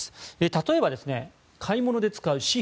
例えば、買い物で使う紙幣